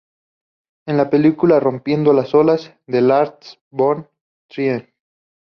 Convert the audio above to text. En la película Rompiendo las olas" de Lars von Trier.